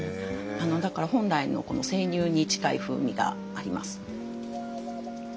だから本来の生乳に近い風味があります。